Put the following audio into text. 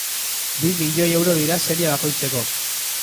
Bi milioi euro dira serie bakoitzeko.